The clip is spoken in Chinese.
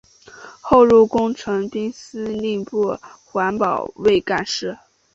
后入工程兵司令部任保卫干事。